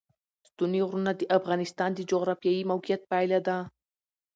ستوني غرونه د افغانستان د جغرافیایي موقیعت پایله ده.